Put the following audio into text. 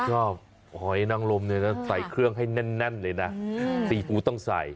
ผมชอบหอยนั่งรมในเนื้อใส่เครื่องให้แน่นเลยนะสีซูตรต้องใส่